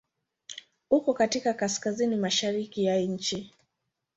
Uko katika Kaskazini mashariki ya nchi.